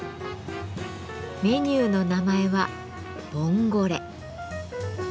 メニューの名前は「ボンゴレ」。